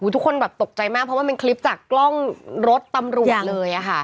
ทุกคนแบบตกใจมากเพราะว่าเป็นคลิปจากกล้องรถตำรวจเลย